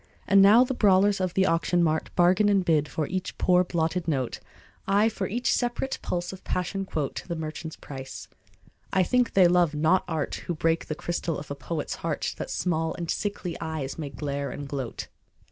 And now the brawlers of the auction mart Bargain and bid for each poor blotted note, Ay! for each separate pulse of passion quote The merchant's price. I think they love not art Who break the crystal of a poet's heart That small and sickly eyes may glare and gloat.